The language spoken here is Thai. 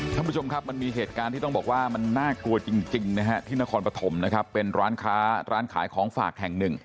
ท่านผู้ชมครับมันมีเหตุการณ์ที่ต้องบอกว่ามันน่ากลัวจริงนะฮะที่นครปฐมนะครับเป็นร้านค้าร้านขายของฝากแห่งหนึ่ง